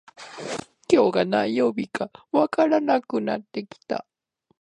今日が何曜日かわからなくなってきた